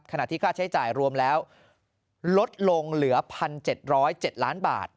ค่าที่ค่าใช้จ่ายรวมแล้วลดลงเหลือ๑๗๐๗ล้านบาท